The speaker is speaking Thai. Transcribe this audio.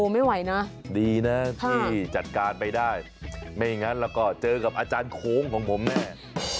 ไม่ไหวนะดีนะที่จัดการไปได้ไม่งั้นแล้วก็เจอกับอาจารย์โค้งของผมแน่